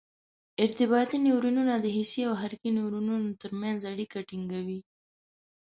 ارتباطي نیورونونه د حسي او حرکي نیورونونو تر منځ اړیکه ټینګوي.